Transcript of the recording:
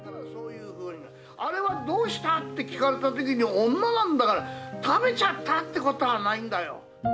あれはどうしたって聞かれた時に女なんだから食べちゃったってことはないんだよ。